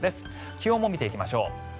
気温も見ていきましょう。